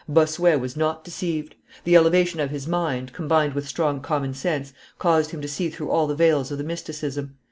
Bossuet was not deceived. The elevation of his mind, combined with strong common sense, caused him to see through all the veils of the mysticism.